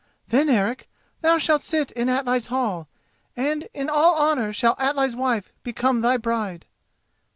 Then, Eric, thou shalt sit in Atli's hall, and in all honour shall Atli's wife become thy bride."